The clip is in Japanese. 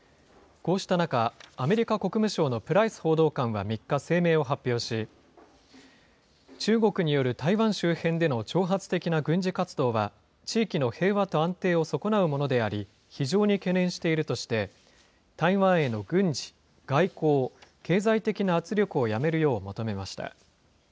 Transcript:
こうした中、アメリカ国務省のプライス報道官は３日、声明を発表し、中国による台湾周辺での挑発的な軍事活動は、地域の平和と安定を損なうものであり、非常に懸念しているとして、台湾への軍事、外交、経済的な圧力をやめるよう求めました。